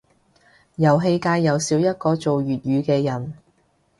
遊戲界又少一個做粵語嘅人